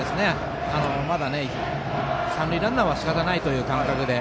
まだ三塁ランナーはしかたないという感覚です。